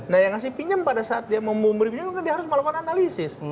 nah yang ngasih pinjam pada saat dia mau memberi pinjam kan dia harus melakukan analisis